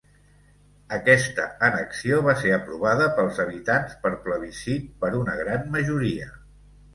Aquesta annexió va ser aprovada pels habitants per plebiscit per una gran majoria.